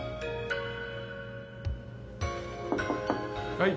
・はい。